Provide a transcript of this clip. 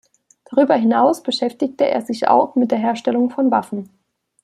Darüber hinaus beschäftigte er sich auch mit der Herstellung von Waffen.